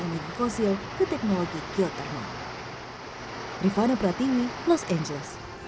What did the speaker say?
angin fosil ke teknologi kio termal